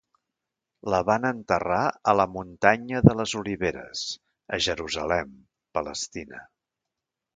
La van enterrar a la muntanya de les Oliveres, a Jerusalem, Palestina.